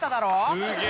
すげえ！